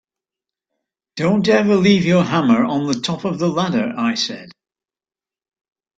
Don’t ever leave your hammer on the top of the ladder, I said.